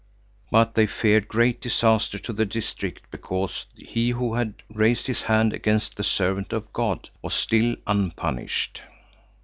But they feared great disaster to the district, because he who had raised his hand against the servant of God was still unpunished.